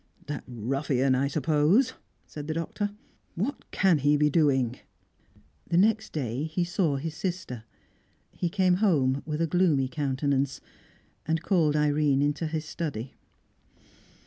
"That ruffian, I suppose," said the Doctor. "What can he be doing?" The next day he saw his sister. He came home with a gloomy countenance, and called Irene into his study.